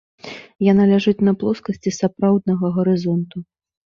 Яна ляжыць на плоскасці сапраўднага гарызонту.